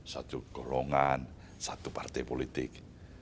satu golongan satu partai politik